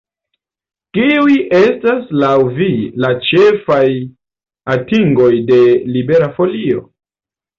Kiuj estas laŭ vi la ĉefaj atingoj de Libera Folio?